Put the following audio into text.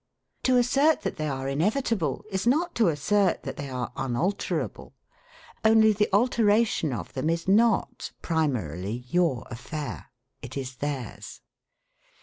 To assert that they are inevitable is not to assert that they are unalterable. Only the alteration of them is not primarily your affair; it is theirs.